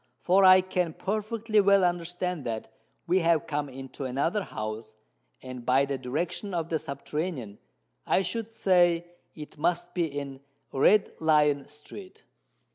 —for I can perfectly well understand that we have come into another house—and, by the direction of the subterranean, I should say it must be in Red Lion Street."